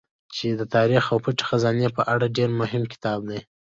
چې د تاريڅ او پټې خزانې په اړه ډېر اهم کتاب دی